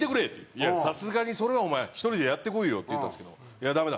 「いやさすがにそれはお前１人でやってこいよ」って言ったんですけど「ダメだ。